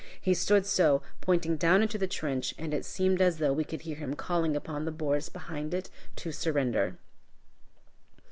He stood so, pointing down into the trench, and it seemed as though we could hear him calling upon the Boers behind it to surrender.